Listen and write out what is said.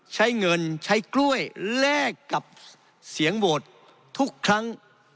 ใช้เงินใช้กล้วยแลกกับเสียงโหวตทุกครั้ง